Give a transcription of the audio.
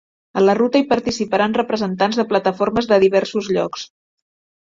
A la ruta, hi participaran representants de plataformes de diversos llocs.